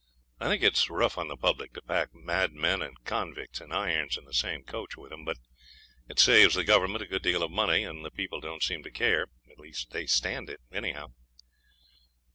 I think it's rough on the public to pack madmen and convicts in irons in the same coach with them. But it saves the Government a good deal of money, and the people don't seem to care. They stand it, anyhow.